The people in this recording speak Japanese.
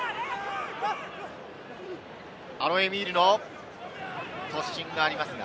アロエミールの突進がありますが。